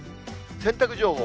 洗濯情報。